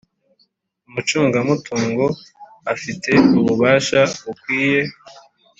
Umucungamutungo afite ububasha bukwiye